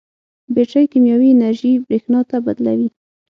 بیټرۍ کیمیاوي انرژي برېښنا ته بدلوي.